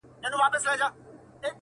که سپی غاپي خو زه هم سم هرېدلای!!